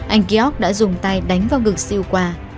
anh kiok đã dùng tay đánh vào ngực siêu quạ